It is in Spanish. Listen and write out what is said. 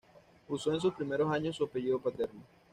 Usó en sus primeros años su apellido paterno.